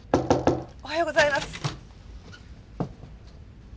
おはようございます。